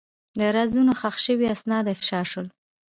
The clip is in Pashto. د رازونو ښخ شوي اسناد افشا شول.